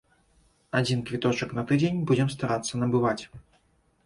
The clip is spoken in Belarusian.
Адзін квіточак на тыдзень будзем старацца набываць.